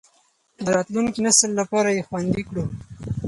د راتلونکي نسل لپاره یې خوندي کړو.